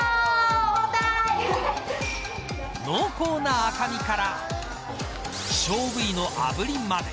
濃厚な赤身から希少部位のあぶりまで。